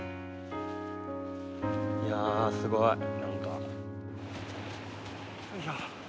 いやあすごい。何か。